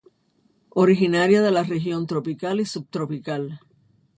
Originaria de la región tropical y subtropical.